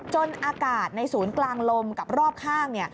อากาศในศูนย์กลางลมกับรอบข้าง